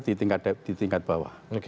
jadi itu sudah di tingkat bawah